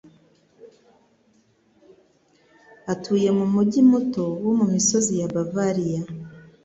atuye mu mujyi muto wo mu misozi ya Bavariya.